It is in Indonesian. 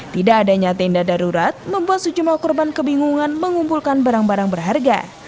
tidak adanya tenda darurat membuat sejumlah korban kebingungan mengumpulkan barang barang berharga